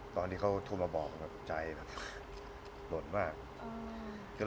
ตอนนี้เขาพูดมาบอกแต่ใจหล่นมาก